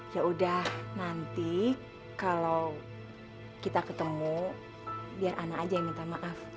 ya udah nanti kalau kita ketemu biar anak aja yang minta maaf